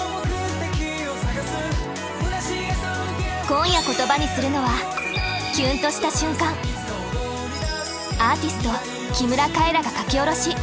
今夜言葉にするのはアーティスト木村カエラが書き下ろし。